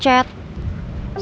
segitu sibuknya apa